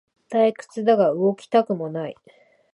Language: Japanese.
退屈だが動きたくもない